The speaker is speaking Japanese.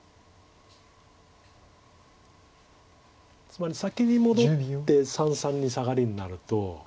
つまり先に戻って三々にサガリになると。